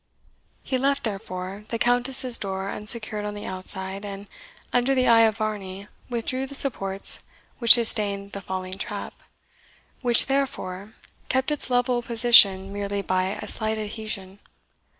He left, therefore, the Countess's door unsecured on the outside, and, under the eye of Varney, withdrew the supports which sustained the falling trap, which, therefore, kept its level position merely by a slight adhesion.